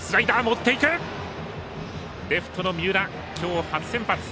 レフトの三浦、今日初先発。